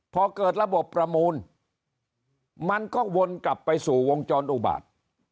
พอเกิดระบบประมูลมันก็วนกลับไปสู่วงจรอุบาต